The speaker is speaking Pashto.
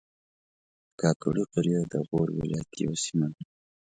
کاکړي قریه د غور ولایت یوه سیمه ده